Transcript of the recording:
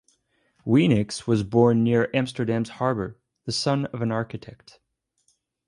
Weenix was born near Amsterdam's harbour, the son of an architect.